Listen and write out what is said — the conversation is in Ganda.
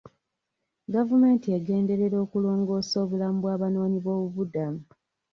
Gavumenti egenderera okulongoosa obulamu bwa banoonyi b'obubuddamu.